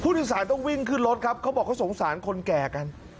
สารต้องวิ่งขึ้นรถครับเขาบอกเขาสงสารคนแก่กัน